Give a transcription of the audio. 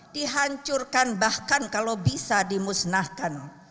dihancurkan bahkan kalau bisa dimusnahkan